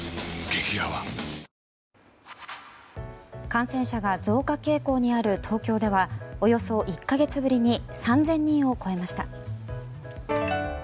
感染者が増加傾向にある東京ではおよそ１か月ぶりに３０００人を超えました。